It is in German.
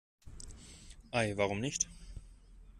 Ei, warum nicht?